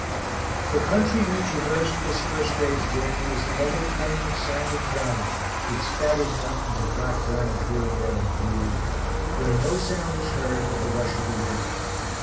The country we traversed this first day's journey is a level plain of sand and gravel, with scattered mountains of black granite here and there in view, where no sound is heard but the rush of the wind.